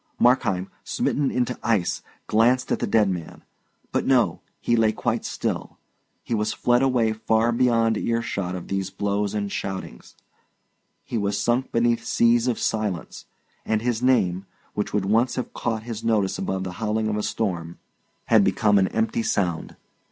Markheim, smitten into ice, glanced at the dead man. But no! he lay quite still; he was fled away far beyond earshot of these blows and shoutings; he was sunk beneath seas of silence; and his name, which would once have caught his notice above the howling of a storm, had become an empty sound.